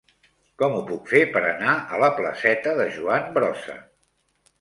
Com ho puc fer per anar a la placeta de Joan Brossa?